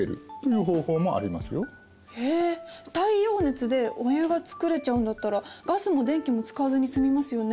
太陽熱でお湯が作れちゃうんだったらガスも電気も使わずに済みますよね。